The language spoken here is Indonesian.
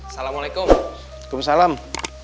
mama kenapa kayak orang kurang gizi gitu